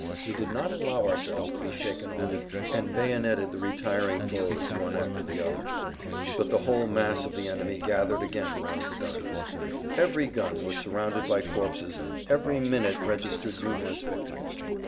We did not allow ourselves to be shaken off, and bayoneted the retiring foes one after the other. But the whole mass of the enemy gathered again round the guns. Every gun was surrounded by corpses, every minute registered numerous victims.